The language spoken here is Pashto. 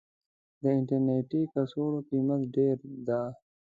د انټرنيټي کڅوړو قيمت ډير ده.